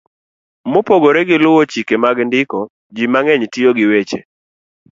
Mopogore gi weyo luwo chike mag ndiko, ji mang'eny tiyo gi weche